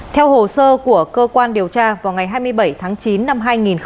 theo hồ sơ của cơ quan điều tra vào ngày hai mươi bảy tháng chín năm hai nghìn một mươi chín